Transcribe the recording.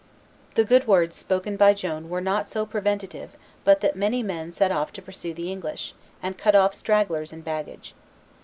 The good words spoken by Joan were not so preventive but that many men set off to pursue the English, and cut off stragglers and baggage.